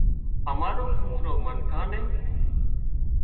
مارو ڪوترو منکان نين